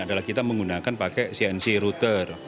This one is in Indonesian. adalah kita menggunakan pakai cnc router